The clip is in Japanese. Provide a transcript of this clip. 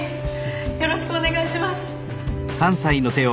よろしくお願いします！